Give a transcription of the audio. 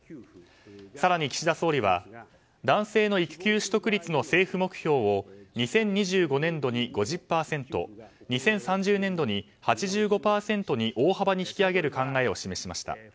更に岸田総理は男性の育休取得率の政府目標を２０２５年度に５０％２０３０年度に８５％に大幅に引き上げる考えを示しました。